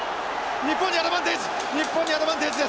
日本にアドバンテージ。